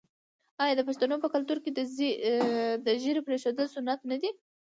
آیا د پښتنو په کلتور کې د ږیرې پریښودل سنت نه دي؟